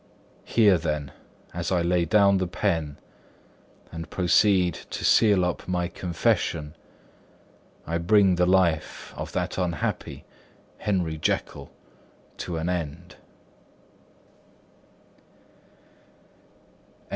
Here then, as I lay down the pen and proceed to seal up my confession, I bring the life of that unhappy Henry Jekyll to an end.